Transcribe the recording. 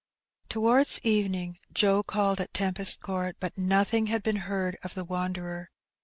Towards evening Joe called at Tempest Court, but nothing had been heard of the wanderer.